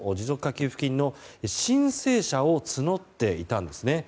給付金の申請者を募っていたんですね。